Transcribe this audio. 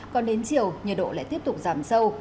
còn đến chiều nhiệt độ lại tiếp tục giảm sâu